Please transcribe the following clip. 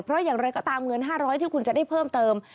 เพราะอย่างไรก็ตามเงิน๕๐๐ที่คุณจะได้เพิ่มเติม